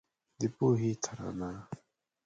د پوهنې ترانه